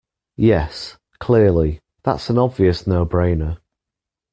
Yes, clearly, that's an obvious no-brainer